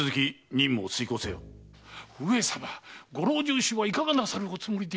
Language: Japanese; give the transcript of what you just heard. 上様ご老中衆はいかがなさるおつもりで？